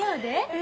え。